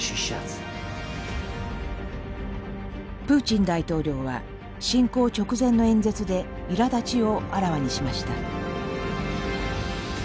プーチン大統領は侵攻直前の演説でいらだちをあらわにしました。